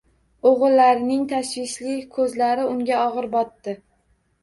O‘g‘illarining tashvishli ko‘zlari unga og‘ir botdi